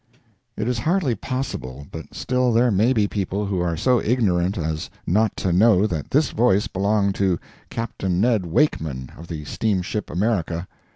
It is hardly possible, but still there may be people who are so ignorant as not to know that this voice belonged to Captain Ned Wakeman, of the steamship America.